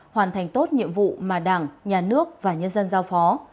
hoàn thành tốt nhiệm vụ mà đảng nhà nước và nhân dân giao phó